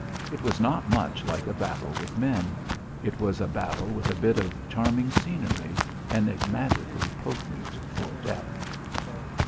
It was not much like a battle with men; it was a battle with a bit of charming scenery, enigmatically potent for death.